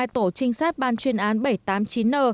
hai tổ trinh sát ban chuyên án bảy trăm tám mươi chín n